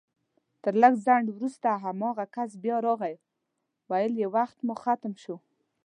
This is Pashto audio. تر لږ ځنډ وروسته هماغه کس بيا راغی ويل يې وخت مو ختم شو